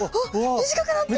短くなってる！